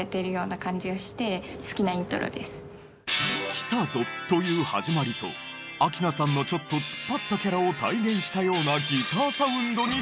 「来たぞ！」という始まりと明菜さんのちょっと突っ張ったキャラを体現したようなギターサウンドに注目。